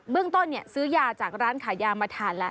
เรื่องต้นซื้อยาจากร้านขายยามาทานแล้ว